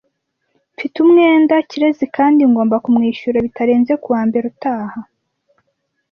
Mfite umwenda Kirezi kandi ngomba kumwishura bitarenze kuwa mbere utaha.